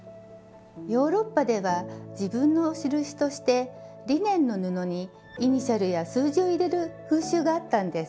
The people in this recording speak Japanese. ヨーロッパでは自分の印としてリネンの布にイニシャルや数字を入れる風習があったんです。